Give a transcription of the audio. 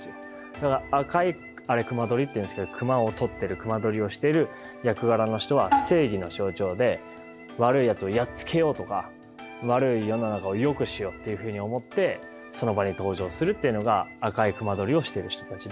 だから赤いあれ隈取っていうんですけど隈を取ってる隈取りをしている役柄の人は正義の象徴で悪いやつをやっつけようとか悪い世の中をよくしようっていうふうに思ってその場に登場するっていうのが赤い隈取をしている人たちで。